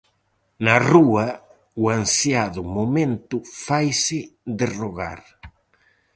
Na rúa, o ansiado momento faise de rogar.